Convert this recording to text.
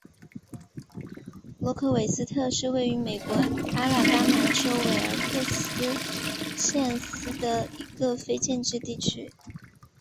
罗克韦斯特是位于美国阿拉巴马州威尔科克斯县的一个非建制地区。